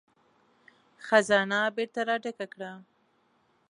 خزانه بېرته را ډکه کړه.